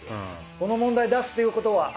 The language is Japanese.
この問題出すっていうことは。